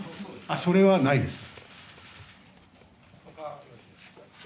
それはないです。